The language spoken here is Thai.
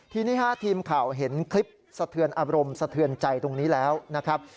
ทีนี้ทีมข่าวเห็นคลิปสะเทือนอารมณ์สะเทือนใจตรงนี้แล้วนะครับ